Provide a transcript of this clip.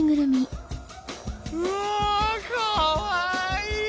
うわかわいい！